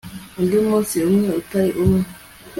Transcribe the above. undi munsi umwe utari kumwe